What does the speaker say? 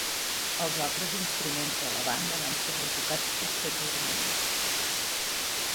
Els altres instruments de la banda van ser retocats posteriorment.